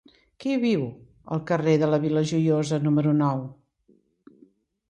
Qui viu al carrer de la Vila Joiosa número nou?